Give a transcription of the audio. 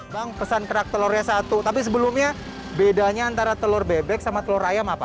bang pesan kerak telurnya satu tapi sebelumnya bedanya antara telur bebek sama telur ayam apa